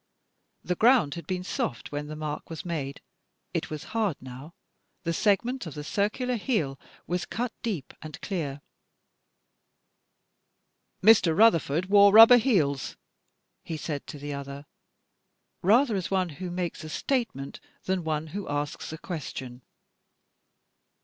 The ground had been soft when the mark was made — it was hard now. The segment of the circular heel was cut deep and clear. "Mr. Rutherford wore rubber heels," he said to the other, rather as one who makes a statement than one who asks a question.